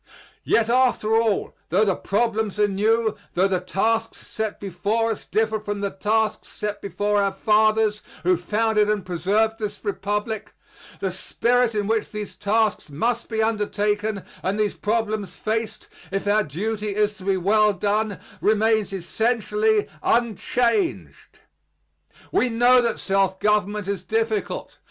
Yet after all, tho the problems are new, tho the tasks set before us differ from the tasks set before our fathers, who founded and preserved this Republic, the spirit in which these tasks must be undertaken and these problems faced, if our duty is to be well done, remains essentially unchanged. We know that self government is difficult.